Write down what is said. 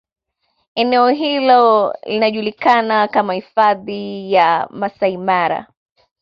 Eneeo hilo linajulikana kama Hifadhi ya Masaimara